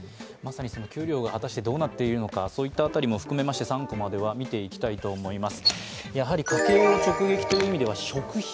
給料が果たしてどうなってるのかそういったところも含めて３コマでは見ていきたいと思います。